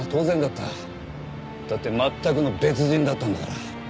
だって全くの別人だったんだから。